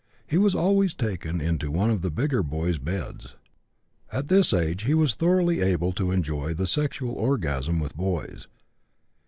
He was always taken into one of the bigger boys' beds. At this age he was thoroughly able to enjoy the sexual orgasm with boys.